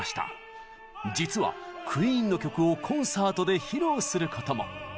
実はクイーンの曲をコンサートで披露することも。